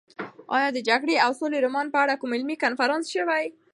ایا د جګړې او سولې رومان په اړه کوم علمي کنفرانس شوی؟